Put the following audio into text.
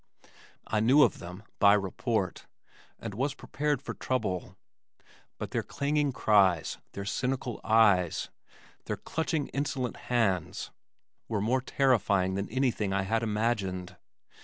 I knew of them (by report), and was prepared for trouble, but their clanging cries, their cynical eyes, their clutching insolent hands were more terrifying than anything I had imagined.